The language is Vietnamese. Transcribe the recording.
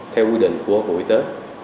theo quy định của bộ y tế